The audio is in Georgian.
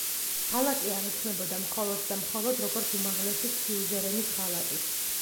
ღალატი აღიქმებოდა მხოლოდ და მხოლოდ როგორც უმაღლესი სიუზერენის ღალატი.